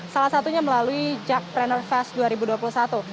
salah satunya melalui jack planner fest dua ribu dua puluh satu